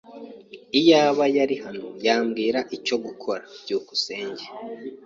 Iyaba yari hano, yambwira icyo gukora. byukusenge